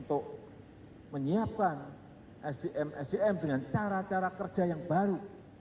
untuk menyiapkan sdm sdm dengan cara cara kerja yang baru